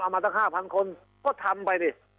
เอามาทั้ง๕๐๐๐คนก็ทำไป